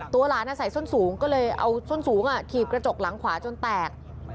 ตัวหลานใส่ส้นสูงก็เลยเอาส้นสูงถีบกระจกหลังขวาจนแตก